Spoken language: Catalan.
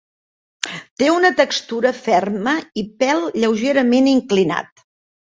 Té una textura ferma i pèl lleugerament inclinat.